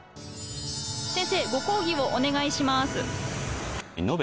先生ご講義をお願いします。